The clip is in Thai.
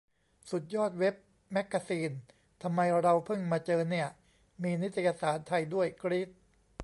สุดยอดเว็บแม็กกาซีน ทำไมเราเพิ่งมาเจอเนี่ย ! มีนิตยสารไทยด้วย กรี๊ด !